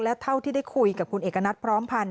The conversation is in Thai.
และเท่าที่ได้คุยกับคุณเอกณัฐพร้อมพันธ